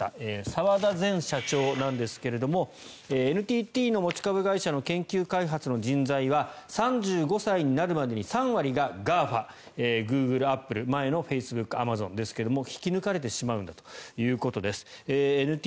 澤田前社長なんですがＮＴＴの持ち株会社の研究開発の人材は３５歳になるまでに３割がＧＡＦＡグーグル、アップル前のフェイスブックアマゾンですが引き抜かれてしまうんですということです。